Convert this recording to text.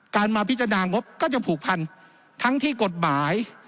มาพิจารณางบก็จะผูกพันทั้งที่กฎหมาย